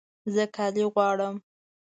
زه کالي غواړم